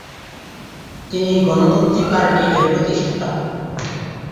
তিনি গণতন্ত্রী পার্টি এর প্রতিষ্ঠাতা।